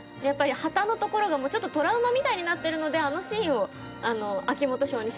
旗のところがちょっとトラウマみたいになってるのであのシーンを秋元賞に。